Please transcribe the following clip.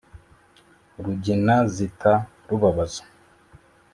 Rugina zita rubabaza,